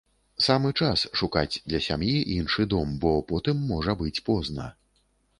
Самы час шукаць для сям'і іншы дом, бо потым можа быць позна.